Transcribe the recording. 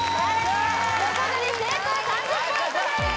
横取り成功３０ポイントです